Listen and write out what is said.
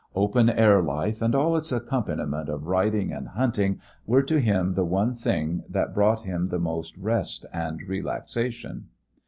Open air life and all its accompaniment of riding and hunting were to him the one thing that brought him the most rest and relaxation.